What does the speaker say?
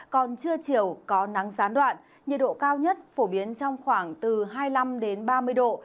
còn trưa chiều có nắng gián đoạn nhiệt độ cao nhất phổ biến trong khoảng từ hai mươi năm ba mươi độ